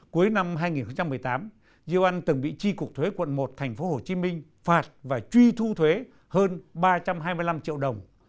cuối năm hai nghìn một mươi tám yeo an từng bị tri cục thuế quận một tp hcm phạt và truy thu thuế hơn ba trăm hai mươi năm triệu đồng